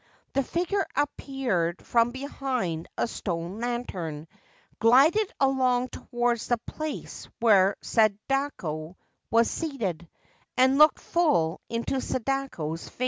The figure appeared from behind a stone lantern, glided along towards the place where Sadako was seated, and looked full into Sadako's face.